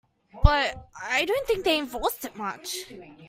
But I don't think they enforced it much.